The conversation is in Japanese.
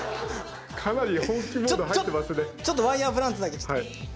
ちょっとワイヤープランツだけ。